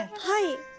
はい。